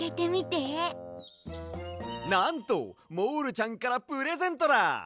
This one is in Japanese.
なんとモールちゃんからプレゼントだ！